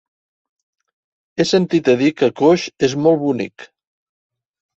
He sentit a dir que Coix és molt bonic.